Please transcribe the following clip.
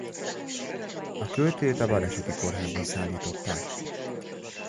A költőt a baleseti kórházba szállították.